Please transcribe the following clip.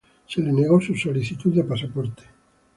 Se le negó su solicitud de pasaporte.